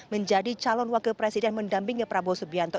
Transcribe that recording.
menjadi calon wakil presiden mendampingi prabowo subianto